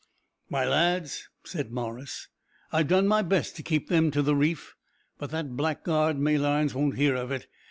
"My lads," said Morris, "I've done my best to keep them to the reef, but that blackguard Malines won't hear of it.